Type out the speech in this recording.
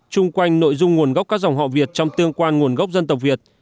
chung quanh nội dung nguồn gốc các dòng họ việt trong tương quan nguồn gốc dân tộc việt